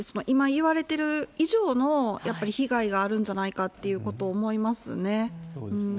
今いわれてる以上のやっぱり被害があるんじゃないかってことを思いますね。